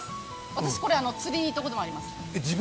私、これ釣りに行ったこともあります。